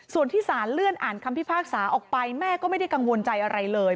ส่วนที่สารเลื่อนอ่านคำพิพากษาออกไปแม่ก็ไม่ได้กังวลใจอะไรเลย